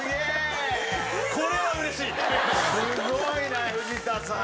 すごいな藤田さん。